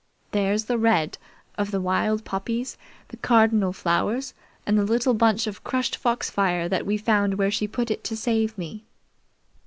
There's the red of the wild poppies, the cardinal flowers, and the little bunch of crushed foxfire that we found where she put it to save me.